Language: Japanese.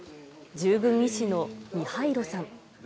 従軍医師のミハイロさん。